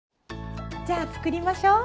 じゃあ作りましょう。